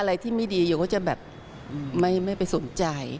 อะไรที่ไม่ดีโยก็จะแบบไม่ไปสนใจ